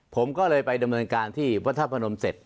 ผมก็เลยไปดำเนินการที่พระธาตุพนมเสร็จ